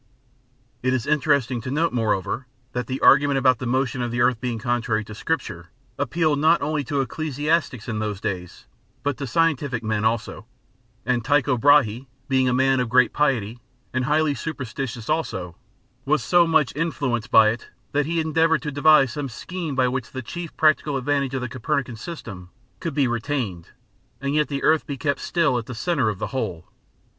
It is interesting to note, moreover, that the argument about the motion of the earth being contrary to Scripture appealed not only to ecclesiastics in those days, but to scientific men also; and Tycho Brahé, being a man of great piety, and highly superstitious also, was so much influenced by it, that he endeavoured to devise some scheme by which the chief practical advantages of the Copernican system could be retained, and yet the earth be kept still at the centre of the whole.